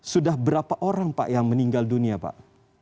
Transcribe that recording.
sudah berapa orang pak yang meninggal dunia pak